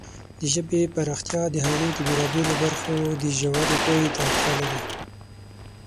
د ژبې پراختیا د هغې د بېلابېلو برخو د ژورې پوهې ته اړتیا لري.